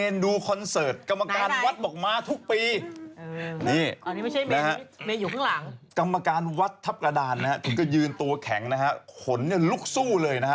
พอดีผมคว้าได้พอดีครับเพราะเขารีบจดเลข